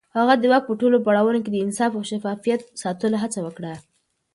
هغه د واک په ټولو پړاوونو کې د انصاف او شفافيت ساتلو هڅه وکړه.